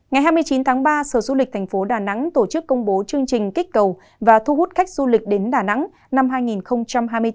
ngày hai mươi chín tháng ba sở du lịch thành phố đà nẵng tổ chức công bố chương trình kích cầu và thu hút khách du lịch đến đà nẵng năm hai nghìn hai mươi bốn